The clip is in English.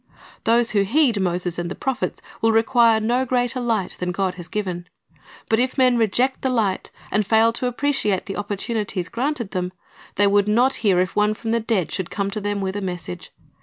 Those who heed Moses and the prophets will require no greater light than God has given; but if men reject the light, and fail to appreciate the opportunities granted them, they would not hear if one from the dead should come to them with a message.